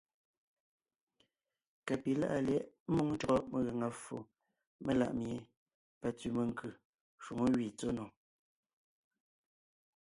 Ka pi láʼa lyɛ̌ʼ ḿmoŋo ntÿɔgɔ megaŋa ffo melaʼ mie pantsẅi menkʉ́ shwoŋó gẅí tsɔ́ nò.